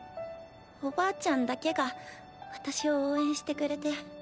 おばあちゃんだけが私を応援してくれて。